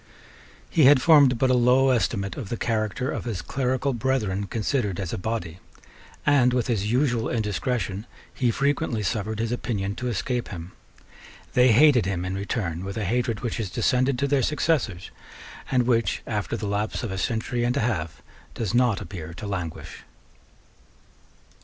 He had formed but a low estimate of the character of his clerical brethren considered as a body; and, with his usual indiscretion, he frequently suffered his opinion to escape him. They hated him in return with a hatred which has descended to their successors, and which, after the lapse of a century and a half, does not appear to languish.